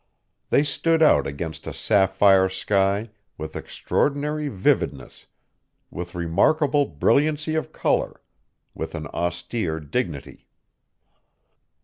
They stood out against a sapphire sky with extraordinary vividness, with remarkable brilliancy of color, with an austere dignity.